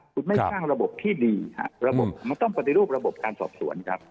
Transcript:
คุณไม่สร้างระบบที่ดีฮะระบบมันต้องปฏิรูประบบการสอบสวนครับ